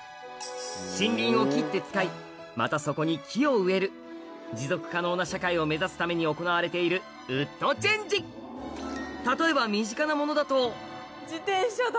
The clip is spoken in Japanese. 森林を切って使いまたそこに木を植える持続可能な社会を目指すために行われているウッド・チェンジ例えば自転車だ